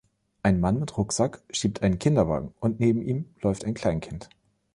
Ein Mann mit Rucksack schiebt einen Kinderwagen, und neben ihm läuft ein Kleinkind.